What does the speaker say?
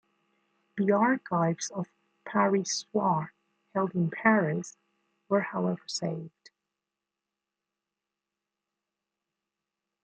The archives of "Paris-Soir", held in Paris, were however saved.